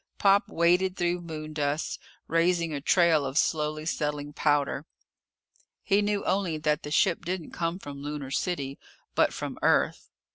Pop waded through moondust, raising a trail of slowly settling powder. He knew only that the ship didn't come from Lunar City, but from Earth.